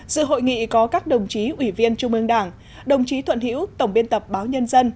dự hội nghị có các đồng chí ủy viên trung ương đảng đồng chí thuận hiễu tổng biên tập báo nhân dân